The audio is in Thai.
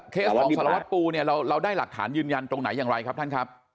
ของสารวัตรปูเนี่ยเราได้หลักฐานยืนยันตรงไหนอย่างไรครับท่านครับ